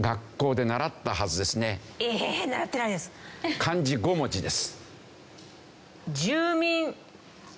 漢字５文字です。